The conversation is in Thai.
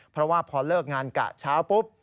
เพราะว่าพอเลิกงานกะเช้าปุ๊บ